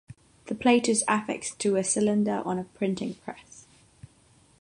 The plate is affixed to a cylinder on a printing press.